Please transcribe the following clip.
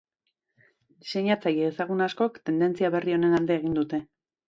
Diseinatzaile ezagun askok tendentzia berri honen alde egin dute.